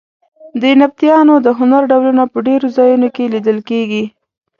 د نبطیانو د هنر ډولونه په ډېرو ځایونو کې لیدل کېږي.